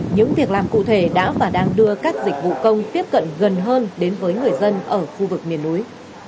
những việc làm cụ thể đã và đang đưa các dịch vụ công tiếp cận gần hơn đến với người dân ở khu vực miền núi